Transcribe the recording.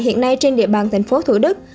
hiện nay trên địa bàn thành phố thủ đức